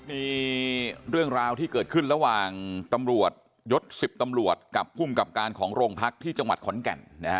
มีเรื่องราวที่เกิดขึ้นระหว่างตำรวจยศ๑๐ตำรวจกับภูมิกับการของโรงพักที่จังหวัดขอนแก่น